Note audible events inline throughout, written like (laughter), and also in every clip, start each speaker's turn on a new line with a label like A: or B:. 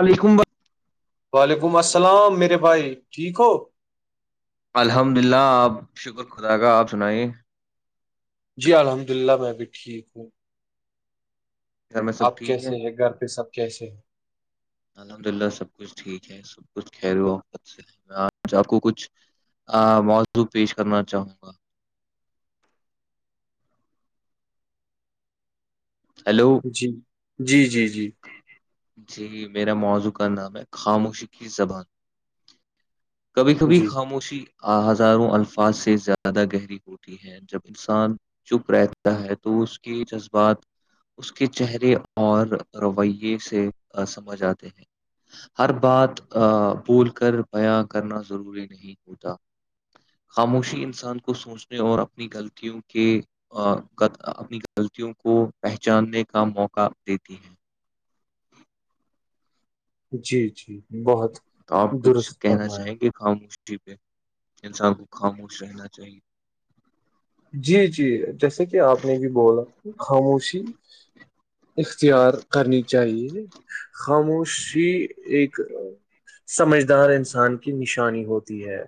A: عال کبا
B: وعلیکم السلام میرے بھائی ٹھیک ہو
A: الحمد للہ آپ شکر خدا کا آپ سنائیے
B: جی الحمد اللہ میں بھی ٹھیک ہوں
A: گھر میں سب
B: آپ
A: ٹھیک
B: کیسے ہے گھر پہ سب کیسے ہیں
A: الحمد للہ سب کچھ ٹھیک ہے سب کچھ خیر وحقت سے آج آپ کو کچھ موضوع پیش کرنا چاہوں گا ہیلو
B: جی جی جی جی
A: جی میرا موضوع کا نام ہے خاموشی کی زبان کبھی کبھی
B: جی
A: خاموشی ہزاروں الفاظ سے زیادہ گہری ہوتی ہیں جب انسان چپ رہتا ہے تو اس کے جذبات اس کے چہرے اور رویے سے سمجھ آتے ہیں ہر بات بھول کر بیاں کرنا ضروری نہیں ہوتا خاموشی انسان کو سوچنے اور اپنی غلطیوں کے اپنی غلطیوں کو پہچاننے کا موقع دیتی ہیں
B: جی جی بہت
A: تو آپ کچھ
B: درست
A: کہنا
B: فرمایا
A: چاہیں گے خاموشی پہ انسان کو خاموش رہنا چاہیے
B: جی جی جیسے کہ آپ نے بھی بولا خاموشی اختیار کرنی چاہیے خاموشی ایک سمجھدار انسان کی نشانی ہوتی ہے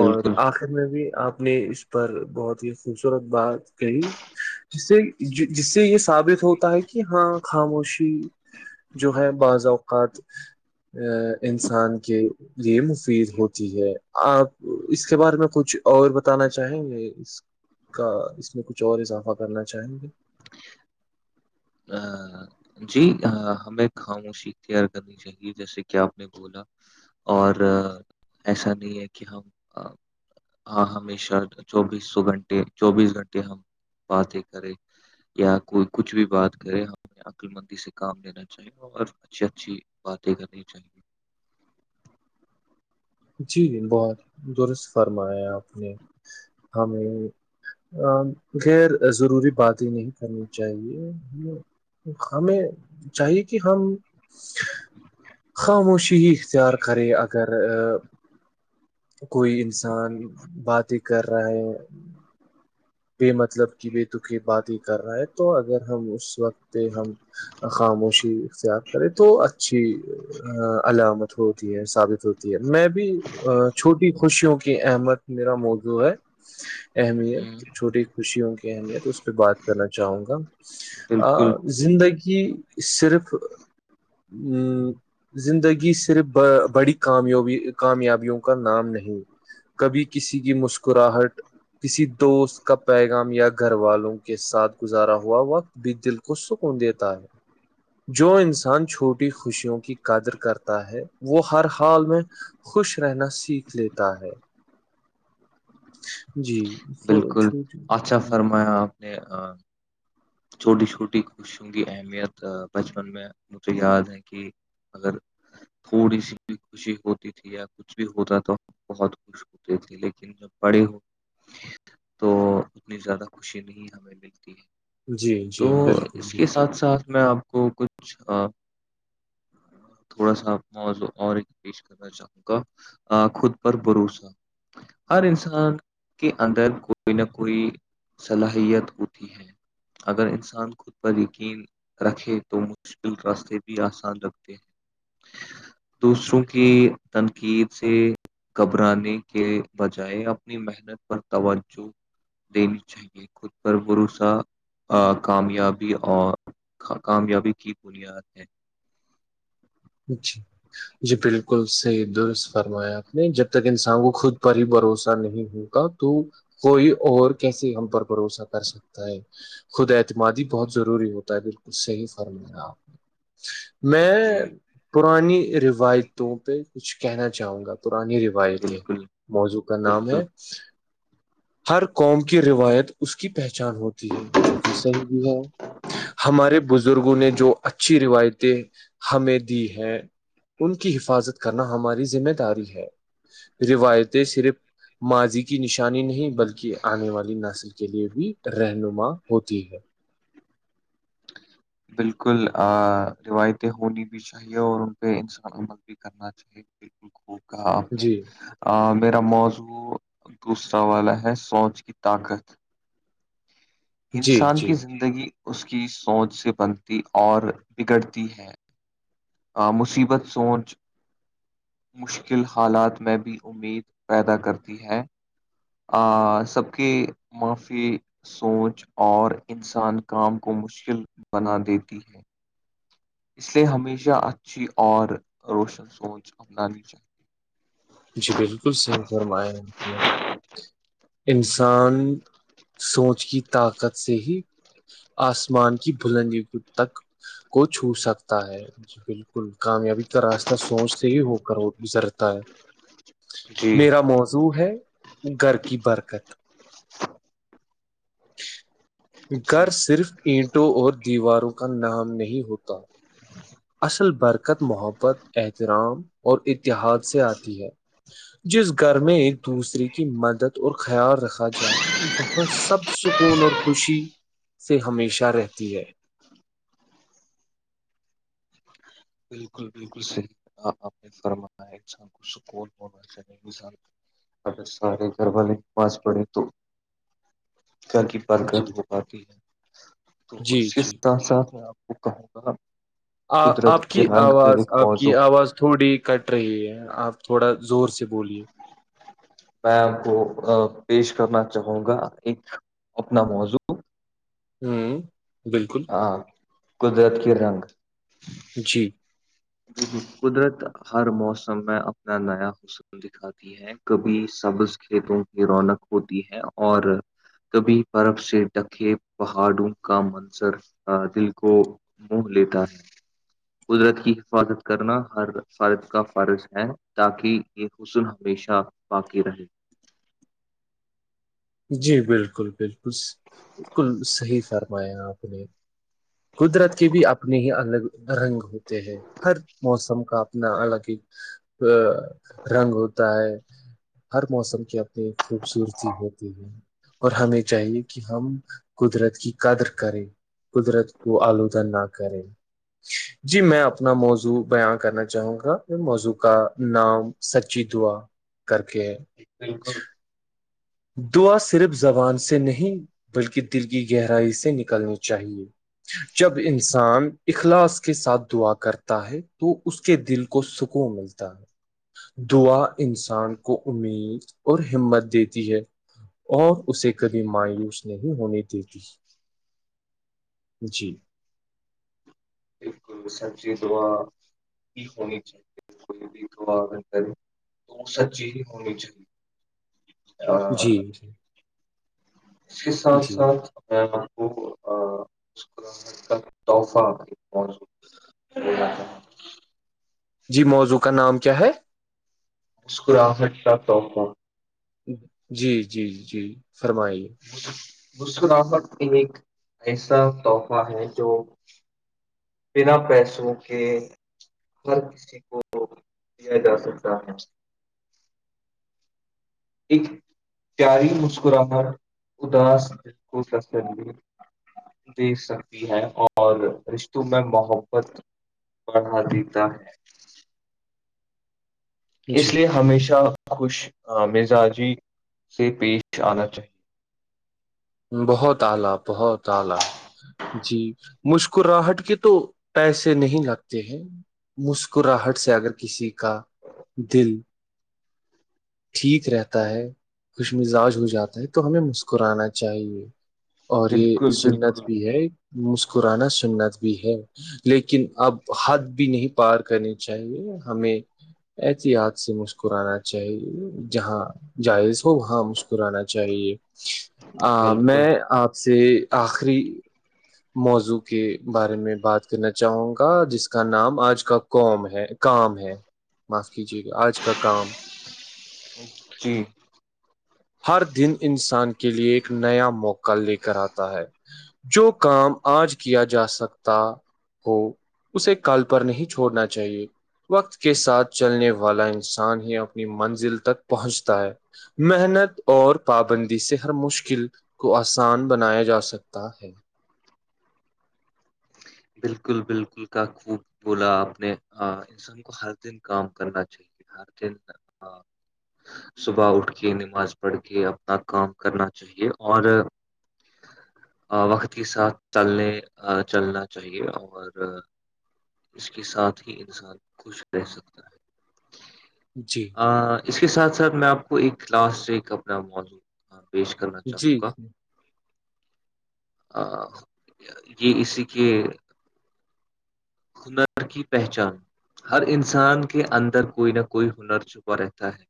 B: اور آخر میں بھی آپ نے اس پر بہت ہی خوبصورت بات کہی جس سے جس سے یہ ثابت ہوتا ہے کہ ہاں خاموشی جو ہے بعض اوقات ا انسان کے لیے مفید ہوتی ہے آپ اس کے بارے میں میں کچھ اور بتانا چاہیں گے اس کا اس میں کچھ اور اضافہ کرنا چاہیں گے
A: جی ہمیں خاموشی اختیار کرنی چاہیے جیسے کہ آپ نے بولا اور ایسا نہیں ہے کہ ہم ہاں ہممی شر چوبیس سو گھنٹے چوبیس گھنٹے ہم باتیں کرے یا کوئی کچھ بھی بات کرے ہمیں عقللمندی سے کام لینا چاہیے اور اچھی اچھی باتیں کرنی چاہیے (inaudible)
B: جی جی بہت درست فرمایا آپ نے ہمیں خیر ضروری بات ہی نہیں کرنی چاہیے ہمیں چاہیے کہ ہم خاموشیی اختیار کرے اگر کوئی انسان بات ہی کر رہا ہے پ مطلب کہ بے دکی باتیں کر رہا ہے تو اگر ہم اس وقت پہ ہم (unintelligible) خاموشی اختیار کرے تو اچھی علامت ہوتی ہے ثابت ہوتی ہے میں بھی چھوٹی خوشیوں کی احمد میرا موضو ہے
A: ہوں
B: اہمیت چھوٹی خوشیوں کی اہمیت اس پہ بات کرنا چاہوں گا
A: بالکل
B: زندگی صرف زندگی صرف بڑی کامبی کامیابیوں کا نام نہیں کبھی کسی کی مسکراہٹ کسی دوست کا پیغام یا گھر والوں کے ساتھ گزارا ہوا وقت بھی دل کو سکون دیتا ہے جو انسان چھوٹی خوشیوں کی قدر کرتا ہے وہ ہر حال میں خوش رہنا سیکھ لیتا ہے
A: ج (unintelligible)
B: جی
A: بالکل
B: چھوٹی۔
A: اچھا فرمایا آپ نے چھوٹی چھوٹی خوشوں کی اہمیت بچپن میں مجھے یاد ہے کہ اگر تھوڑی سی بھی خوشی ہوتی تھی یا کچھ بھی ہوتا تو بہت خوش چھوتے تھے لیکن جب بڑی ہو (inaudible) تو اتنی زیادہ خوشی نہیں ہمیں ملتی ہے (inaudible)
B: جی
A: تو
B: جی بالکل
A: اس کے
B: بالکل
A: ساتھ ساتھ میں آپ کو کچھ تھوڑا سا موضوع اور ہی پیش کر چاہوں خود پر بھروسا (unintelligible) ہر انسان کے اندر کوئی نہ کوئی صلاحیت ہوتی ہے اگر انسان خود پت یقین رکھے تو مشکل راستے بھی آسان رکھتے ہیں دوسروں کی تنقید سے گھبرانے کے بجائے اپنی محنت پر توجہ دینی چاہیے خود پر بھروسا کامیابی اور کامیابی کی بنیاد ہے
B: اچھا جی بالکل صحی درست فرمایا آپ نے جب تک انسان کو خود پر ہی بھروسہ نہیں ہو تو کوئی اور کیسے ہم پر بھروسہ کر سکتا ہے خود اعتمادی بہت ضروری ہوتا ہے بالکل صحیح فرما آپ
A: (inaudible)
B: میں
A: جی
B: پرانی روایتوں پہ کچھ کہنا چاہوں گا پرانیوا تھے
A: بالکل
B: موضوع کا نام
A: بالکل
B: ہے ہر قوم کی روایت اس کی پہچان ہوتی ہے جو کہ صحیح بھی ہے ہمارے بزرگوں نے جو اچھی روایتیں ہمیں دی ہیں ان کی حفاظت کرنا ہماری ذمہ داری ہے روایتیں صرف ماضی کی نشانی نہیں بلکہ آنے والی نسل کے لیے بھی رہنما ہوتی ہے
A: بالکل روایتیں ہونی بھی چاہیے اور ان پہ انسان عمل بھی کرنا چاہیے بالکل خوب کہا آپ نے
B: جی
A: آ میرا موضوع دوسرا والا ہے سونچ کی طاقت
B: جی
A: انسان کی
B: جی
A: زندگی اس کی سوچ سے بنتی اور بگڑتی ہے مصیبت سوچ مشکل حالات میں بھی امید پیدا کرتی ہے سب کی معافی سوچ اور انسان کام کو مشکل بنا دیتی ہے اس لیے ہمیشہ اچھی اور روشن سوچ اپنانی چاہیے
B: جی بالکل صحیح
A: چاہیے
B: فرمایا ہے نے انسان سوچ کی طاقت سے ہی آسمان کی بلندی تک کو چھو سکتا ہے بالکل کامیابی کا راستہ سوچتے ہی ہو کر وہ گزرتا ہے
A: جی
B: میرا موضوع ہے گھر کی برکت
A: جی
B: گھر صرف اینٹوں اور دیواروں کا نام نہیں ہوتا اصل برکت محبت احترام اور اتحاد سے آتی ہے جس گھر میں ایک دوسرے کی مدد اور خیال رکھا جائے وہاں سب سکون اور خوشی سے ہمیشہ رہتی ہے
A: بالکل بالکل صحیح آپ نے فرمایا انسان کو سکون ہونا چاہیے اگر سارے گھر والے کے پاس پڑے تو کیا کی برکت
B: جی
A: ہو پاتی ہے تو
B: جی
A: اس کے
B: جی
A: ساتھ ساتھ میں آپ کو کہوں گا
B: آ
A: قدرت
B: آپ
A: کے
B: کی
A: رنگ پہ
B: آواز
A: ایک
B: آپ کی
A: موضوع
B: آواز تھوڑی کٹ رہی ہے آپ تھوڑا زور سے بولیے
A: میں آ کو پیش کرنا چاہوں گا ایک اپنا موضوع
B: ہوں بالکل
A: ہاں قدرت کے رنگ
B: جی
A: جی قدرت ہر موسم میں اپنا نیا حس د آتی ہے کبھی سبز کھیتوں کی رونق ہوتی ہے اور کبھی برب سے ڈکے پہاڑوں کا منظر دل کو مہ لیتا قدرت کی سوادت کرنا ہر فادت کا فرض ہے تاکہ یہ حسن ہمیشہ باقی رہے
B: جی بالکل بالکل بالکل صحیح فرمایا آپ نے قدرت کے بھی اپنے ہی الگ رنگ ہوتے ہیں ہر موسم کا اپنا الگ ہی رنگ ہوتا ہے ہر موسم کی اپنی خوبصورتی ہو اور ہمیں چاہیے کہ ہم قدرت کی قدر کریں قدرت کو آلودہ نہ کریں جی میں اپنا موضوع بیاانں کرنا چاہوں گا ان موضوع کا نام سچی دعا کر کے
A: بالکل
B: دعا صرف زبان سے نہیں بلکہ دل کی گہرائی سے نکلنی چاہیے جب انسان اخلاص کے ساتھ دعا کرتا ہے تو اس کے دل کو سکون ملتا ہے دعا انسان کو امید اور ہمت دیتی ہے اور اسے کبھی مایوس نہیں ہونے دیتی جی
A: سب چی دعا کی ہونی چاہیے کوئی بھی گوا کرے تو سچی ہی ہونی چاہیے آ،
B: جی
A: اس کے ساتھ
B: جی
A: ساتھ وہ اس کا کا تحفہ
B: جی موضوع کا نام کیا ہے
A: مسکراہٹ کا توف
B: جی جی جی فرمائیے
A: مسکرافت ایک ایسا تحفہ ہے جو بنا پیسوں کے ہر کسی کو دیا جا سکتا ہے ایک پیاری مسکراہٹ اداس کو تسلی دیکھ سکتی ہے اور رشتوں میں محبت پڑھا دیتا ہے اس
B: جی
A: لیے ہمیشہ خوش مزاجی سے پیش آنا چاہیے
B: بہت ال بہت ال جی مسکراہٹ کے تو پیسے نہیں لگتے ہیں مسکراہٹ سے اگر کسی کا دل ٹھیک رہتا ہے خوش مزاج ہو جاتا ہے تو ہمیں مسکرانا چاہیے اور یہ
A: بالکل
B: سنت
A: بالکل
B: بھی ہے مسکرانا سنت بھی ہے لیکن اب حد بھی نہیں پار کرنی چاہیے ہمیں احتیاط سے مسکرانا چاہیے جہاں جائز ہو وہاں مسکرانا چاہیے
A: بالکل
B: میں آپ سے آخری موضوع کے بارے میں بات کرنا چاہوں گا جس کا نام اج کا قوم ہے کام ہے معاف کیجے گا آج کا کام
A: جی
B: ہر دن انسان کے لیے ایک نیا موقع لے کر آتا ہے جو کام آج کیا جا سکتا ہو اسے کال پر نہیں چھوڑنا چاہیے وقت کے ساتھ چلنے والا انسان ہی اپنی منزل تک پہنچتا ہے محنت اور پابندی سے ہر مشی
A: بالکل بالکل ہم کو ہر دن کام کرنا چاہیے ہر دن صبح اٹھ کے نماز پڑھ کے اپنا کام کرنا چاہیے اور وقت کے ساتھ چلنے چلنا چاہیے اور اس کے ساتھ ہی انسان خوش رہ سکتا ہے
B: جی
A: اس کے ساتھ ساتھ میں آپ کو ایک لاسٹ ایک اپنا موضع پیش کرنا
B: جی
A: چاہوں گا یہ اسی کے ہنر کی پہچان ہر انسان کے اندر کوئی نہ کوئی ہنر چھپا رہتا ہے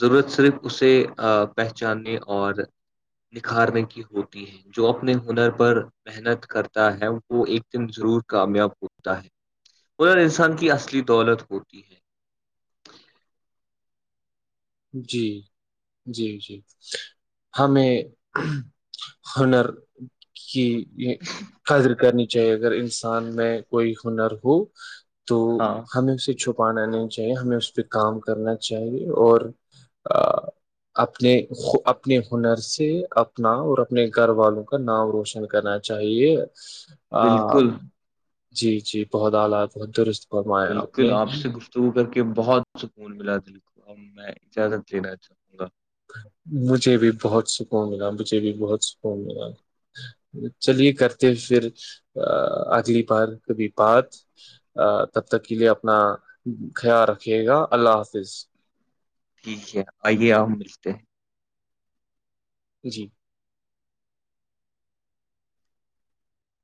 A: ضرورت صرف اسے پہچاننے اور نکھارنے کی ہوتی ہے جو اپنے ہنر پر محنت کرتا ہے وہ ایک دم ضرور کامیاب ہوتا ہے ادھر انسان کی اصلی دولت ہوتی ہے
B: جی جی جی ہمیں ہنر کی یہ قادر کرنی چاہیے اگر انسان میں کوئی ہنر ہو تو
A: ہاں
B: ہمیں اسے چھپانا نہیں چاہیے ہمیں اس پہ کام کرنا چاہیے اور آ،
A: (inaudible)
B: اپنے اپنے ہنر سے اپنا اور اپنے گھر والوں کا نام روشن کرنا چاہے
A: بالکل
B: جی جی ت درست اور میں اپنے
A: تو کر کے بہت سکون ملا دل کو میں اجازت لینا چاہوں گا
B: مجھے بھی بہت سکون ملا مجھے بھی بہت سکون ملا چلیے کرتے ہو پھر اگلی بار کبھی بات ا تب تک کے لیے اپنا خیال رکھیے گا اللہ حافظ
A: ٹھیک ہے آئیے آپ ملتے
B: جی